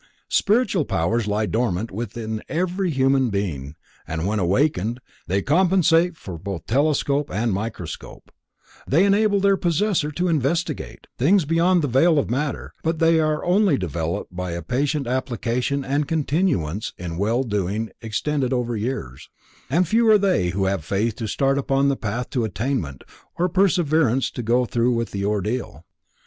Spiritual powers lie dormant within every human being, and when awakened, they compensate for both telescope and microscope, they enable their possessor to investigate, instanter, things beyond the veil of matter, but they are only developed by a patient application and continuance in well doing extended over years, and few are they who have faith to start upon the path to attainment or perseverance to go through with the ordeal.